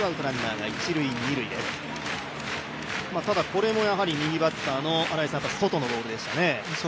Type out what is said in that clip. これも右バッターの外のボールでしたね。